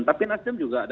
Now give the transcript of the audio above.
tapi nasdem juga ada